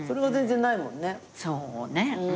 そうね。